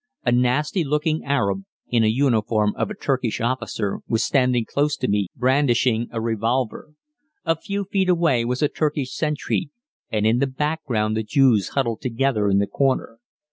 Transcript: A nasty looking Arab, in a uniform of a Turkish officer, was standing close to me brandishing a revolver. A few feet away was a Turkish sentry, and in the background the Jews huddled together in the corner.